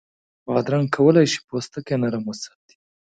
بادرنګ کولای شي پوستکی نرم وساتي.